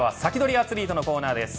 アツリートのコーナーです。